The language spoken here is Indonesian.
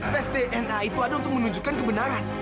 tes dna itu ada untuk menunjukkan kebenaran